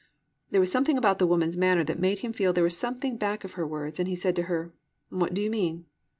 There was something about the woman's manner that made him feel there was something back of her words, and he said to her, "What do you mean?"